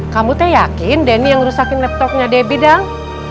kamu teh yakin denny yang rusakin laptopnya debbie dang